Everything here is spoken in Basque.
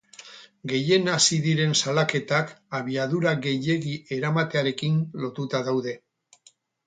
Gehien hazi diren salaketak abiadura gehiegi eramatearekin lotuta daude.